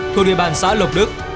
thuộc địa bàn xã lộc đức